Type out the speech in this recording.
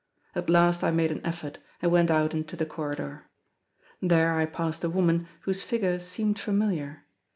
At last I made an effort, and went out into the corridor. There I passed a woman whose figure seemed familiar.